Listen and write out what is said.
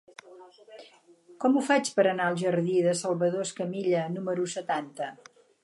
Com ho faig per anar al jardí de Salvador Escamilla número setanta?